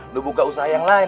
lu buka usaha yang lain